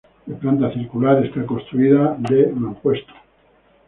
De planta circular, está construida de mampuesto.